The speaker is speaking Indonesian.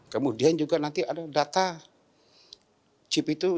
kemudian juga nanti ada data chip itu